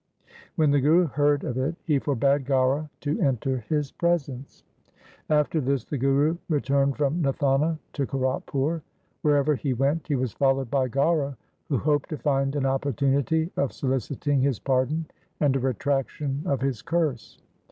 When the Guru heard of it, he forbade Gaura to enter his presence. 296 THE SIKH RELIGION After this the Guru returned from Nathana to Kiratpur. Wherever he went he was followed by Gaura, who hoped to find an opportunity of soliciting his pardon, and a retractation of his curse.